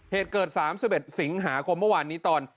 เหตุเกิดสามสิบเอ็ดสิงหาคมเมื่อวานนี้ตอน